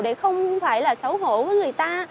để không phải là xấu hổ với người ta